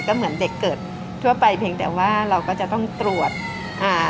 ก็เหมือนเด็กเกิดทั่วไปเพียงแต่ว่าเราก็จะต้องตรวจอ่า